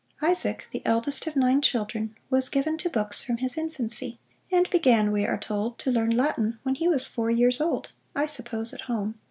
Isaac, the eldest of nine children, was given to books from his infancy; and began, we are told, to learn Latin when he was four years old, I suppose at home.